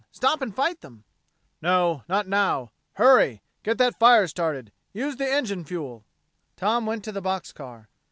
Stop and fight them!" "No not now. Hurry! Get that fire started! Use the engine fuel!" Tom went to the box car.